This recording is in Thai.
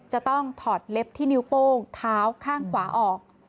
จะต้องถอดเล็บที่นิ้วโป้งเท้าข้างขวาออก